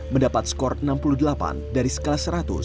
mendapat skor enam puluh delapan dari skala seratus